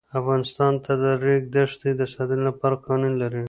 افغانستان د د ریګ دښتې د ساتنې لپاره قوانین لري.